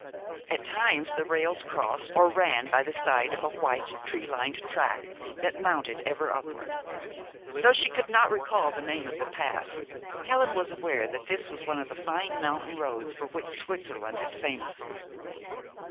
At times the rails crossed or ran by the side of a white, tree lined track that mounted ever upward. Though she could not recall the name of the pass, Helen was aware that this was one of the fine mountain roads for which Switzerland is famous.